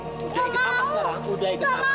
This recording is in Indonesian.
nggak mau nggak mau pa